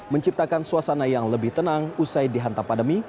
menciptakan suasana yang lebih tenang usai dihantam pandemi